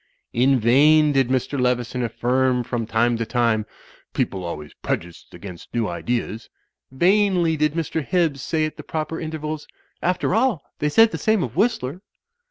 In vain did Mr. Leveson affirm from time to time, "People always prejudiced against new ideas." Vainly did Mr. Hibbs say at the proper intervals, "After all, they said the same of Whistler."